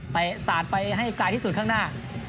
สาดไปให้ไกลที่สุดข้างหน้า